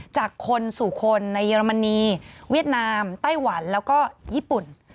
จากคนสู่คนในเยอรมนีเวียดนามไต้หวันแล้วก็ญี่ปุ่น